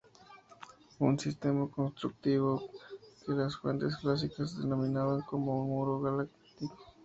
Un sistema constructivo que las fuentes clásicas denominaban como "muro gálico".